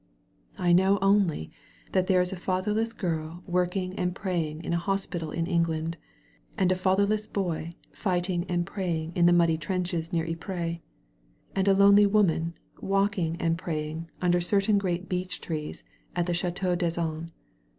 I know only that there is a fatherless girl working and praying in a hospital in England, and a father less boy fighting and praying in the muddy trenches near Ypres, and a lonely woman walking and pray ing under certain great beedi trees at the Chftteau d'Azan.